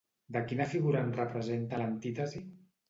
De quina figura en representa l'antítesi?